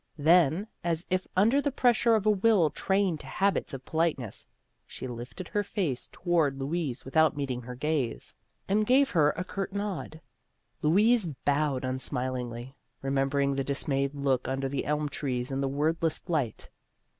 Then, as if un der the pressure of a will trained to habits of politeness, she lifted her face toward Louise without meeting her gaze, and gave her a curt nod. Louise bowed un smilingly, remembering the dismayed look under the elm tree and the wordless flight.